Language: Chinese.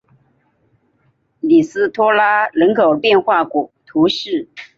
里斯托拉人口变化图示